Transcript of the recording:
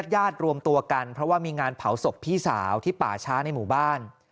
ญาติรวมตัวกันเพราะว่ามีงานเผาศพพี่สาวที่ป่าช้าในหมู่บ้าน